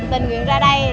tình nguyện ra đây